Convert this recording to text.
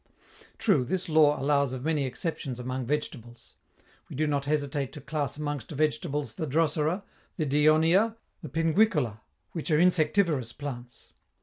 True, this law allows of many exceptions among vegetables. We do not hesitate to class amongst vegetables the Drosera, the Dionaea, the Pinguicula, which are insectivorous plants.